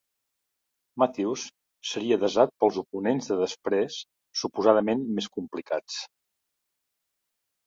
Matthews seria desat pels oponents de després, suposadament més complicats.